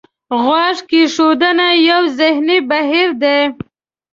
غوږ کېښودنه یو ذهني بهیر دی.